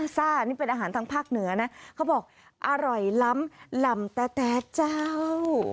ซ่านี่เป็นอาหารทางภาคเหนือนะเขาบอกอร่อยล้ำลำแต่เจ้า